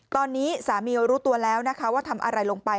ตอนนี้สามีรู้ตัวแล้วนะคะว่าทำอะไรลงไป